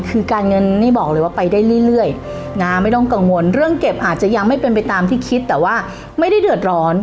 คือการเงินนี่บอกเลยว่าไปได้เรื่อยนะไม่ต้องกังวลเรื่องเก็บอาจจะยังไม่เป็นไปตามที่คิดแต่ว่าไม่ได้เดือดร้อน